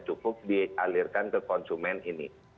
cukup dialirkan ke konsumen ini